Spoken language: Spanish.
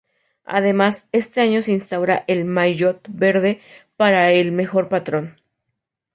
Además este año se instaura el maillot verde para el mejor patrón.